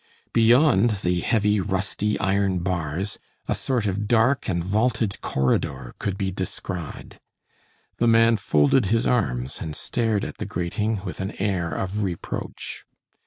Beyond the heavy, rusty iron bars, a sort of dark and vaulted corridor could be descried. The man folded his arms and stared at the grating with an air of reproach.